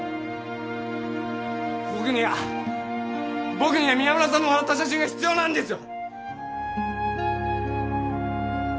僕には宮村さんの笑った写真が必要なんですよ！